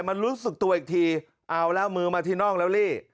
มันรู้สึกตัวอีกทีเอาแล้วมือมาที่น่องแล้วรี่